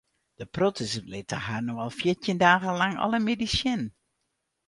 De protters litte har no al fjirtjin dagen lang alle middeis sjen.